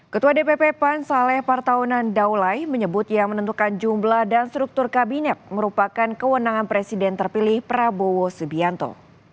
ketua dpp pan saleh partaunan daulai menyebut yang menentukan jumlah dan struktur kabinet merupakan kewenangan presiden terpilih prabowo subianto